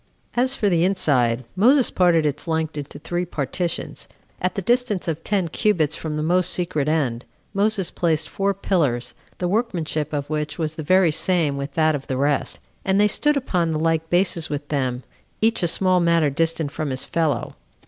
4. As for the inside, Moses parted its length into three partitions. At the distance of ten cubits from the most secret end, Moses placed four pillars, the workmanship of which was the very same with that of the rest; and they stood upon the like bases with them, each a small matter distant from his fellow.